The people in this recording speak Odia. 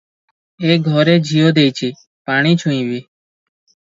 ଏ ଘରେ ଝିଅ ଦେଇଛି, ପାଣି ଛୁଇଁବି?